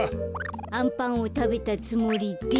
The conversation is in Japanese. あんパンをたべたつもりで。